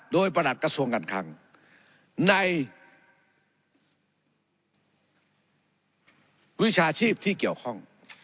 โดยประหลัดกระทรวงการคังในวิชาชีพที่เกี่ยวข้อง